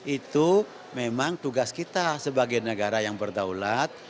itu memang tugas kita sebagai negara yang berdaulat